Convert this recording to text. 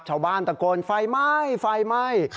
ชาวบ้านตะโกนไฟไหม้ไฟไหม้